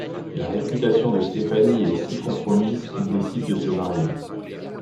La réputation de Stéphanie est si compromise qu'ils décident de se marier.